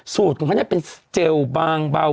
สูตรของเขาเนี่ยเป็นเจลบางเบา